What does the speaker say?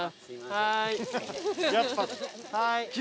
はい。